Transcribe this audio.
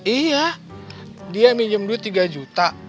iya dia minjem duit tiga juta